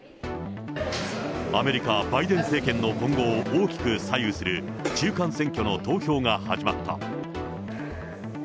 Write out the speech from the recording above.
アメリカ、バイデン政権の今後を大きく左右する、中間選挙の投票が始まった。